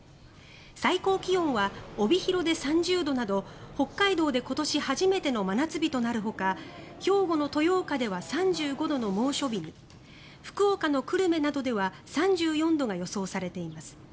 最高気温は帯広で３０度など北海道で今年初めての真夏日となるほか兵庫の豊岡では３５度の猛暑日に福岡の久留米などでは３４度が予想されています。